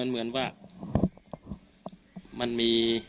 มันมี